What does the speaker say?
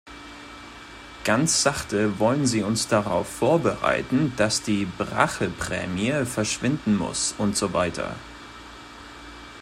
Ganz sachte wollen sie uns darauf vorbereiten, dass die Bracheprämie verschwinden muss usw.